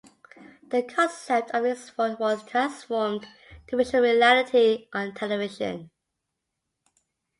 The concept of his vault was transformed to visual reality on television.